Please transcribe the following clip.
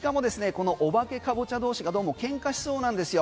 このお化けカボチャ同士がどうも喧嘩しそうなんですよ。